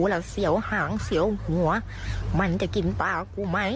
เฮ้ยใหญ่มากค่ะ